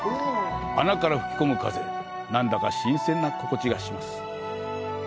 穴から吹き込む風、何だか新鮮な心地がします。